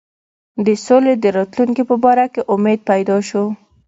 د سولي د راتلونکي په باره کې امید پیدا شو.